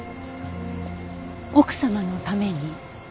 奥様のために？